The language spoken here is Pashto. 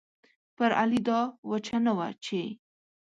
پر علي دا وچه نه وه چې